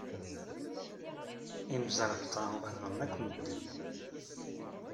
Imẓerbeḍḍa ukḍen akk medden.